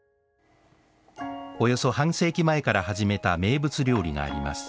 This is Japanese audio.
およそ半世紀前から始めた名物料理があります。